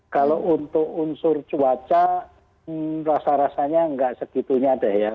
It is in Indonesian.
kalau untuk unsur cuaca rasa rasanya nggak segitunya ada ya